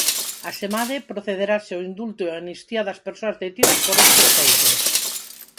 Asemade, procederase ao indulto e amnistía das persoas detidas por estes feitos.